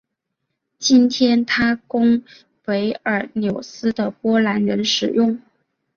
今天它供维尔纽斯的波兰人使用。